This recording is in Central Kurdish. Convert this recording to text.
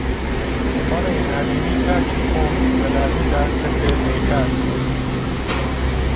بەڵێ نابینی کاکی خۆم لە لادێدا کەسێ بێکار